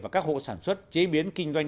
và các hộ sản xuất chế biến kinh doanh